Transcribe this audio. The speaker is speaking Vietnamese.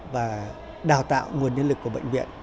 và đào tạo nguồn nhân lực của bệnh viện